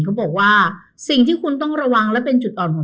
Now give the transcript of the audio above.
เขาบอกว่าสิ่งที่คุณต้องระวังและเป็นจุดอ่อนของ